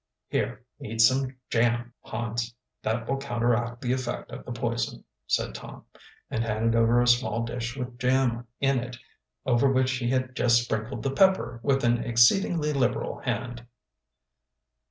"Here, eat some jam, Hans. That will counteract the effect of the poison," said Tom, and handed over a small dish with jam in it, over which he had just sprinkled the pepper with an exceedingly liberal hand.